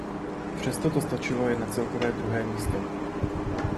Přesto to stačilo jen na celkové druhé místo.